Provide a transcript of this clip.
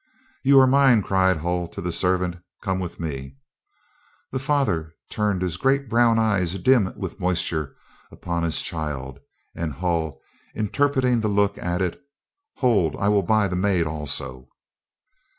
"You are mine," cried Hull to the servant. "Come with me." The father turned his great brown eyes dim with moisture upon his child, and Hull, interpreting the look, added, "Hold, I will buy the maid also."